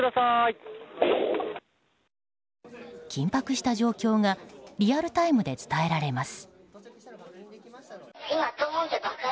緊迫した状況がリアルタイムで伝えられます。